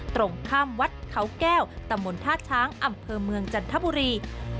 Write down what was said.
ตรงข้ามวัดเขาแก้วตำบลท่าช้างอำเภอเมืองจันทบุรี